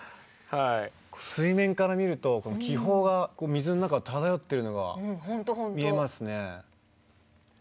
水面から見ると気泡が水の中漂ってるのが見えますね。